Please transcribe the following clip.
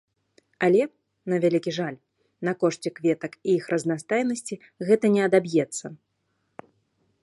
Але, на вялікі жаль, на кошце кветак і іх разнастайнасці гэта не адаб'ецца.